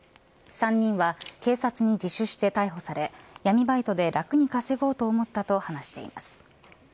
３人には警察に自首して逮捕され闇バイトで楽に稼ごうと思ったと話しています。